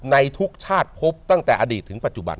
ในทุกชาติพบตั้งแต่อดีตถึงปัจจุบัน